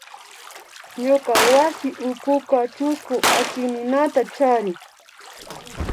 Ñuka wasi ukuka chusku achikninata charin